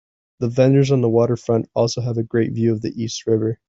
The vendors on the waterfront also have a great view of the East River.